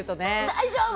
大丈夫！